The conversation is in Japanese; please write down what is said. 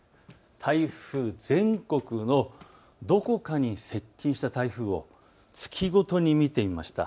台風、全国のどこかに接近した台風を月ごとに見てみました。